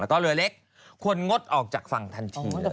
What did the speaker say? แล้วก็เรือเล็กควรงดออกจากฝั่งทันทีเลย